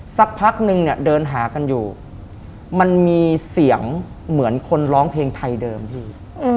สักพักนึงเนี่ยเดินหากันอยู่มันมีเสียงเหมือนคนร้องเพลงไทยเดิมพี่